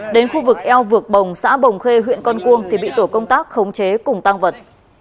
đến khu vực eo vực bồng xã bồng khê huyện con cuông thì bị tổ công tác khống chế cùng tăng vật